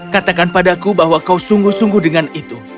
katakan padaku bahwa kau sungguh sungguh dengan itu